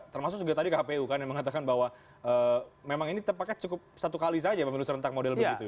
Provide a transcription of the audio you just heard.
termasuk juga tadi kpu kan yang mengatakan bahwa memang ini tepatnya cukup satu kali saja pemilu serentak model begitu ya